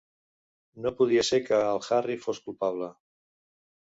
No podia ser que el Harry fos culpable.